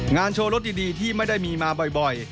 โชว์รถดีที่ไม่ได้มีมาบ่อย